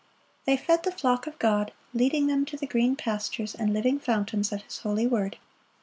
They fed the flock of God, leading them to the green pastures and living fountains of His holy word.